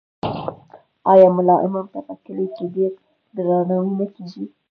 آیا ملا امام ته په کلي کې ډیر درناوی نه کیږي؟